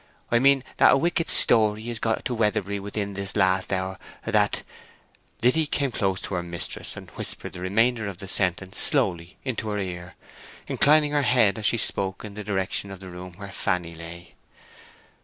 "I mean that a wicked story is got to Weatherbury within this last hour—that—" Liddy came close to her mistress and whispered the remainder of the sentence slowly into her ear, inclining her head as she spoke in the direction of the room where Fanny lay.